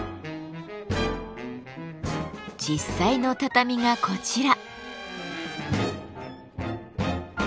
実際の畳がこちら。